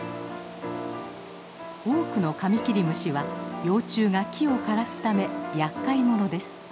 多くのカミキリムシは幼虫が木を枯らすためやっかいものです。